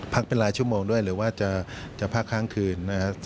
พักเป็นหลายชั่วโมงด้วยหรือว่าจะพักครั้งคืน